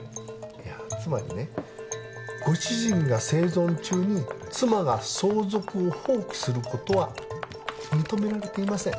いやつまりねご主人が生存中に妻が相続を放棄することは認められていません。